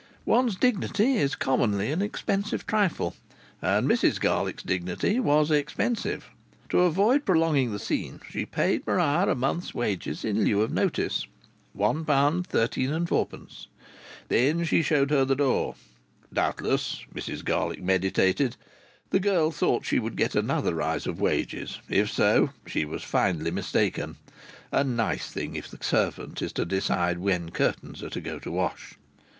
One's dignity is commonly an expensive trifle, and Mrs Garlick's dignity was expensive. To avoid prolonging the scene she paid Maria a month's wages in lieu of notice £1, 13s, 4d. Then she showed her the door. Doubtless (Mrs Garlick meditated) the girl thought she would get another rise of wages. If so, she was finely mistaken. A nice thing if the servant is to decide when curtains are to go to the wash!